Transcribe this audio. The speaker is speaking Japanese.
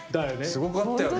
すごかったよね。